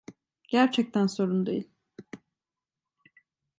Gerçekten sorun değil.